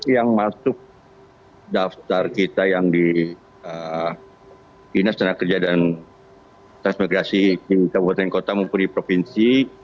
yang masuk daftar kita yang di dinas tenaga kerja dan transmigrasi jawa barat dan kota mumpuni provinsi